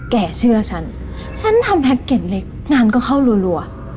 เชื่อฉันฉันทำแพ็กเก็ตเล็กงานก็เข้ารัว